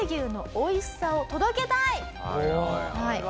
はい。